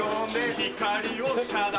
光を遮断